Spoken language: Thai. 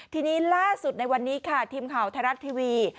ทีนี้ล่าสุดในวันนี้ค่ะทีมข่าวไทยรัฐทีวี